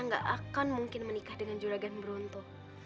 gak akan mungkin menikah dengan juragan bronto